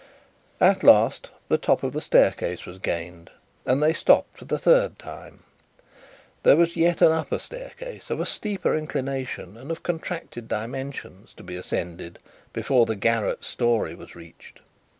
At last, the top of the staircase was gained, and they stopped for the third time. There was yet an upper staircase, of a steeper inclination and of contracted dimensions, to be ascended, before the garret story was reached.